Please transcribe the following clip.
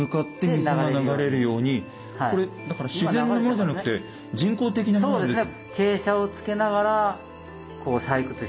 これだから自然のものじゃなくて人工的なものなんですか？